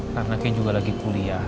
karena kei juga lagi kuliah